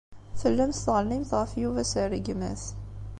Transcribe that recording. Tellamt tɣellimt ɣef Yuba s rregmat.